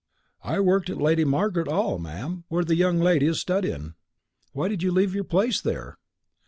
"I worked at Lady Marg'ret 'All, ma'am, where the young lady is studyin'." "Why did you leave your place there?"